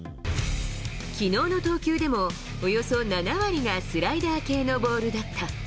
きのうの投球でもおよそ７割がスライダー系のボールだった。